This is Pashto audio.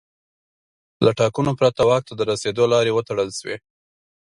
له ټاکنو پرته واک ته د رسېدو لارې وتړل شوې.